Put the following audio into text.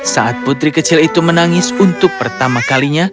saat putri kecil itu menangis untuk menikah